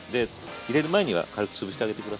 入れる前には軽くつぶしてあげて下さい。